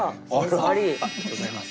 ありがとうございます。